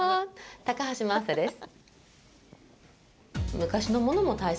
高橋真麻です。